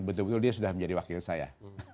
betul betul dia sudah menjadi wakil saya